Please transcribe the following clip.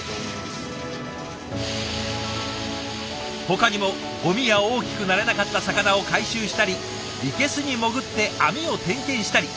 ほかにもゴミや大きくなれなかった魚を回収したり生けすに潜って網を点検したり。